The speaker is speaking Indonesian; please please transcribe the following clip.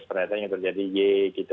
pernyataannya terjadi y gitu